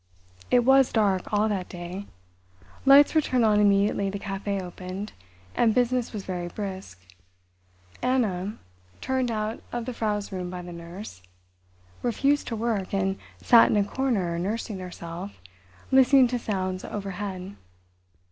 It was dark all that day. Lights were turned on immediately the café opened, and business was very brisk. Anna, turned out of the Frau's room by the nurse, refused to work, and sat in a corner nursing herself, listening to sounds overhead.